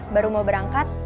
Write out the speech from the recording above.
baru mau berangkat